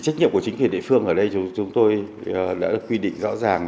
trách nhiệm của chính quyền địa phương ở đây chúng tôi đã được quy định rõ ràng